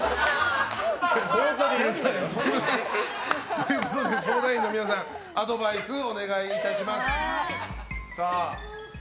ということで相談員の皆さんアドバイスお願いいたします。